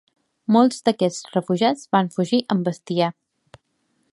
Molts d'aquests refugiats van fugir amb bestiar.